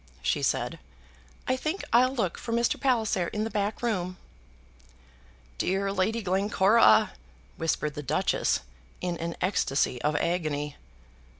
she said. "I think I'll look for Mr. Palliser in the back room." "Dear Lady Glencora," whispered the Duchess, in an ecstasy of agony.